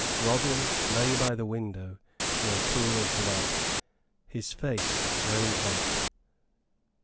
Robin lay by the window in a pool of blood, his face very white.